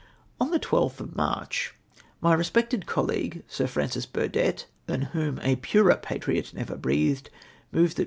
On the 12 til of March, my respected colleague, Su' Francis Burdett, than whom a purer patriot never breathed, moved that Mi'.